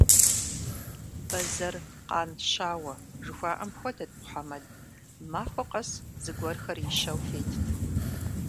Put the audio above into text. Бэзэр къан щауэ жыхуаӀэм хуэдэт Мухьэмэд: махуэ къэс зыгуэрхэр ищэу тетт.